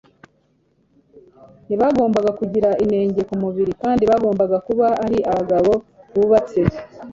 Ntibagombaga kugira inenge ku mubiri, kandi bagombaga kuba ari abagabo bubatse,